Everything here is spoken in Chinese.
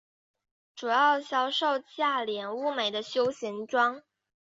主要销售价廉物美的休闲装。